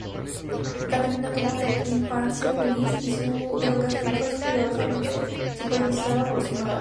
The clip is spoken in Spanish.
Catalina tuvo una infancia feliz y su educación fue cuidadosamente supervisada por su madre.